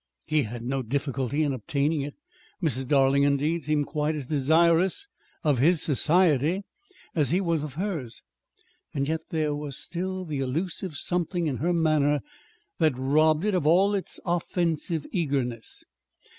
He had no difficulty in obtaining it. Mrs. Darling, indeed, seemed quite as desirous of his society as he was of hers; yet there was still the elusive something in her manner that robbed it of all offensive eagerness.